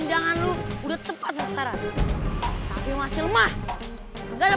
dengan perusahaan yang sama yang namanya bola